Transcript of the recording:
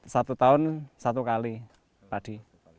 satu tahun satu kali padi